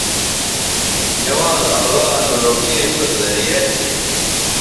نوانز اللہ نو لوکھے سو زریعہ تھی